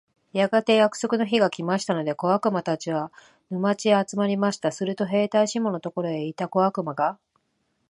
やがて約束の日が来ましたので、小悪魔たちは、沼地へ集まりました。すると兵隊シモンのところへ行った小悪魔が、